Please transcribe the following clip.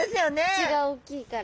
口が大きいから。